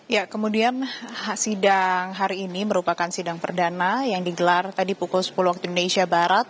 ya kemudian sidang hari ini merupakan sidang perdana yang digelar tadi pukul sepuluh waktu indonesia barat